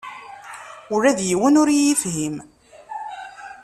Ula d yiwen ur iyi-yefhim.